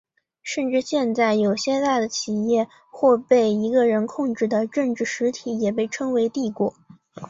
甚至现在有些大的企业或被一个人控制的政治实体也被称为帝国。